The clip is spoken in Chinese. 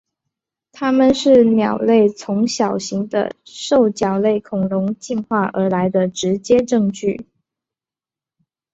它们是鸟类从小型的兽脚类恐龙进化而来的直接证据。